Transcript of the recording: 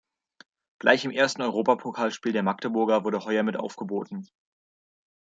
Gleich im ersten Europapokalspiel der Magdeburger wurde Heuer mit aufgeboten.